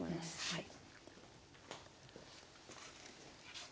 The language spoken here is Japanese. はい。